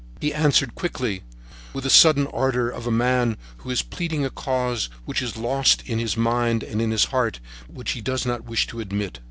He answered quickly, with a sudden ardor of a man who is pleading a cause which is lost in his mind and in his heart, but which he does not wish to admit.